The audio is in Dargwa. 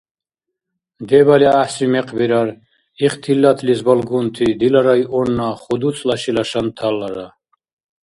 Дебали гӀяхӀси мекъ бирар ихтилатлис балгунти дила районна ХудуцӀла шила шанталара.